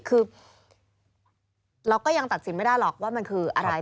คือเราก็ยังตัดสินไม่ได้หรอกว่ามันคืออะไร